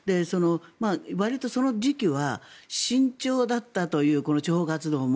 わりとその時期は慎重だったという、諜報活動も。